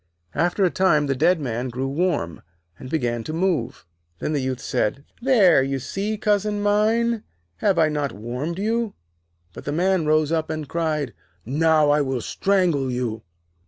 After a time the dead man grew warm, and began to move. Then the Youth said: 'There, you see, cousin mine, have I not warmed you?' But the Man rose up, and cried: 'Now, I will strangle you!'